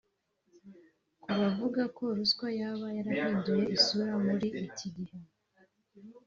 Ku bavuga ko ruswa yaba yarahinduye isura muri iki gihe